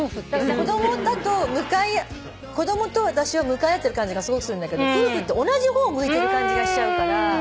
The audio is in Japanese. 子供だと子供と私は向かい合ってる感じがすごくするんだけど夫婦って同じ方を向いてる感じがしちゃうから。